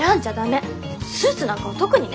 スーツなんかは特にね。